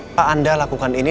apa anda lakukan ini